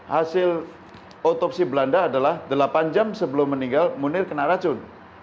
hasil otopsi belanda adalah delapan jam sebelum meninggal munir kena racun